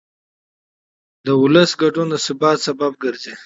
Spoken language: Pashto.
د ولس ګډون د ثبات سبب ګرځي